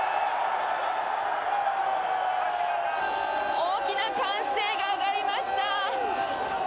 大きな歓声が上がりました。